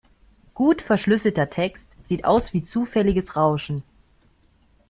Gut verschlüsselter Text sieht aus wie zufälliges Rauschen.